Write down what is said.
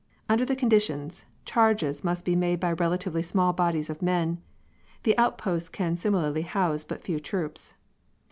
Under the conditions, charges must be made by relatively small bodies of men. The outposts can similarly house but few troops.